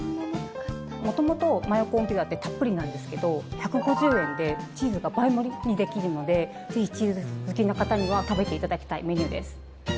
元々、マヨコーンピザってたっぷりなんですけど１５０円でチーズが倍盛りにできるのでぜひ、チーズ好きの方には食べていただきたいメニューです。